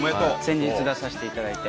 先日出させていただいて。